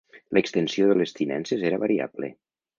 L'extensió de les tinences era variable.